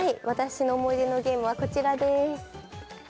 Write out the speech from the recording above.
私の思い出のゲームはこちらです。